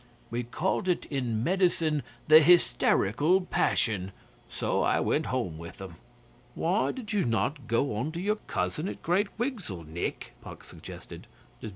We call it in medicine the Hysterical Passion. So I went home with 'em.' 'Why did you not go on to your cousin at Great Wigsell, Nick?' Puck suggested.